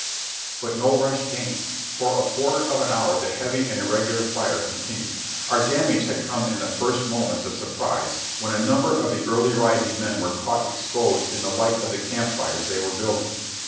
But no rush came. For a quarter of an hour the heavy and irregular firing continued. Our damage had come in the first moments of surprise when a number of the early rising men were caught exposed in the light of the campfires they were building.